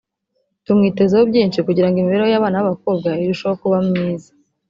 tumwitezeho byinshi kugira ngo imibereho y’abana b’abakobwa irusheho kuba myiza